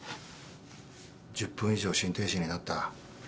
１０分以上心停止になった。